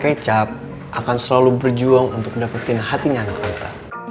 kecap akan selalu berjuang untuk dapetin hatinya anak kita